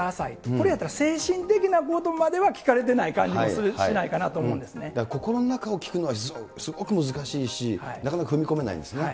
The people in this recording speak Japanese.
こうやったら精神的な部分までは聞かれてない感じもしないかなと心の中を聞くのはすごく難しいし、なかなか踏み込めないんですね。